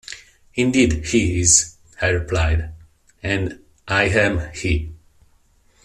'Indeed he is,' I replied, 'and I am he.